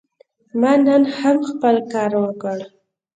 ما نن هم خپل کار وکړ.